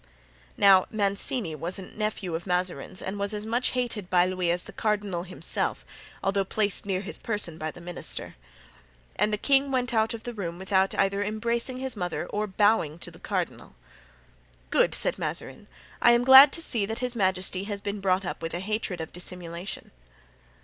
Now Mancini was a nephew of Mazarin's and was as much hated by Louis as the cardinal himself, although placed near his person by the minister. And the king went out of the room without either embracing his mother or even bowing to the cardinal. "Good," said Mazarin, "I am glad to see that his majesty has been brought up with a hatred of dissimulation."